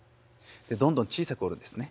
どんどん小さく折るんですね。